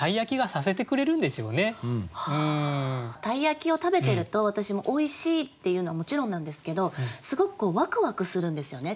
鯛焼を食べてると私もおいしいっていうのはもちろんなんですけどすごくワクワクするんですよね。